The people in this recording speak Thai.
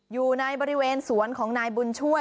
อยู่ในบริเวณสวนของนายบุญช่วย